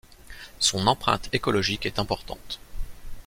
Son empreinte écologique est importante.